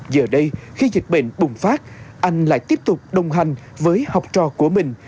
giờ đây khi dịch bệnh bùng phát anh lại tiếp tục đồng hành với học trò của mình